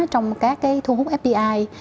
trong các thu hút fdi